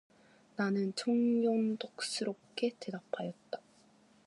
나는 천연덕스럽게 대답하였다.